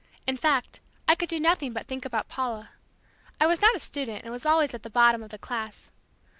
In fact, I could do nothing but think about Paula! I was not a student and was always at the bottom of the class.